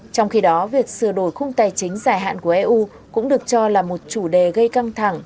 trong khi đó việc sửa đổi khung tài chính dài hạn của eu cũng được cho là một chủ đề gây căng thẳng